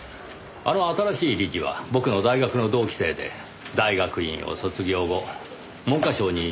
あの新しい理事は僕の大学の同期生で大学院を卒業後文科省に入省した男でした。